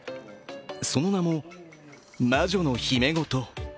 その名も、魔女のひめごと。